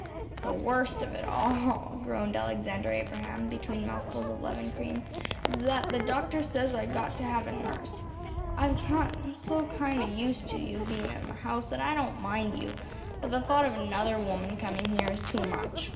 “The worst of it all,‚ÄĚ groaned Alexander Abraham, between mouthfuls of lemon cream, “is that the doctor says I’ve got to have a nurse. I’ve got so kind of used to you being in the house that I don’t mind you, but the thought of another woman coming here is too much.